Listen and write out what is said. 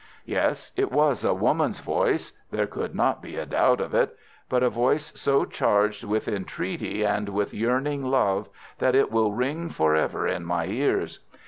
Yes, it was a woman's voice; there could not be a doubt of it. But a voice so charged with entreaty and with yearning love, that it will ring for ever in my ears.